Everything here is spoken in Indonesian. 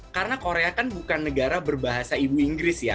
karena korea kan bukan negara berbahasa ibu inggris ya